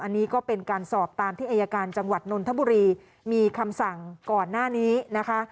อันนี้ก็เป็นการสอบตามที่อายการจังหวัดนนทบุรีมีคำสั่งก่อนหน้านี้นะคะ